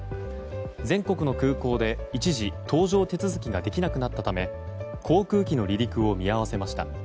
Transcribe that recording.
全国の空港で一時搭乗手続きができなくなったため航空機の離陸を見合わせました。